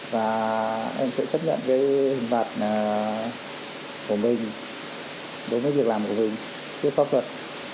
và em sẽ chấp nhận cái hình phạt của mình đối với việc làm của mình trước pháp luật